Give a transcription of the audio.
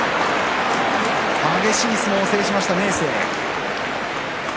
激しい相撲を制した明生です。